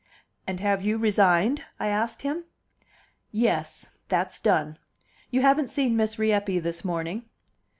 "And have you resigned?" I asked him. "Yes. That's done. You haven't seen Miss Rieppe this morning?"